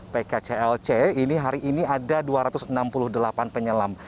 pkclc ini hari ini ada dua ratus enam puluh delapan penyelam